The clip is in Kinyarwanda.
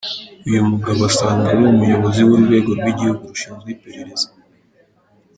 Uyu mugabo asanzwe ari umuyobozi w’urwego rw’igihugu rushinzwe iperereza.